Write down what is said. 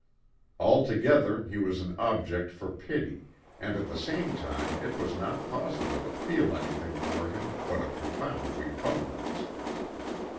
Altogether he was an object for pity, and at the same time it was not possible to feel anything for him but a profound repugnance.